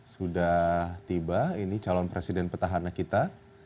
sudah tiba ini calon presiden petahana kita